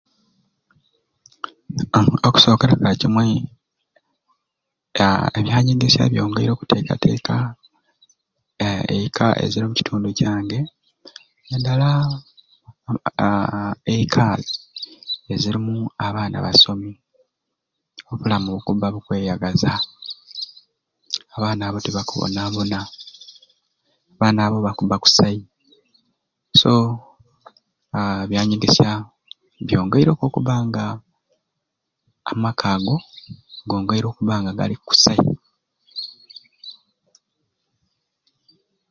Aa okusookera ka kimwe aa ebyanyegesya byongeire okuteekateeka ee eka eza mukitundu kyange nadala aa eka ezirimu abaana abasomi obulamu bukubba bukweyagaza abaana abo tebakubonaabona abaana abo bakubba kusai so aa ebyanyegesya byongeire okubbanga amaka ago gongeire okubba nga gali okusai.